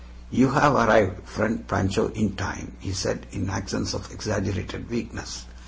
"You have arrived, friend Pancho, in time," he said, in accents of exaggerated weakness.